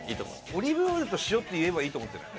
「オリーブオイルと塩」って言えばいいと思ってない？